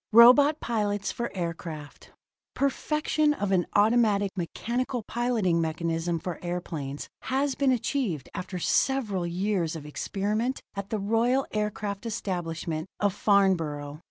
ROBOT PILOTS FOR AIRCRAFT Perfection of an automatic mechanical piloting mechanism for airplanes has been achieved after several years of experiment at the royal aircraft establishment of Farnborough.